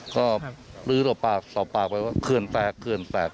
ก็ลื้อต่อปากไปว่าเขื่อนแปลก